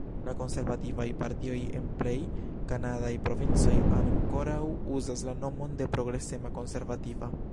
La konservativaj partioj en plej kanadaj provincoj ankoraŭ uzas la nomon de Progresema Konservativa.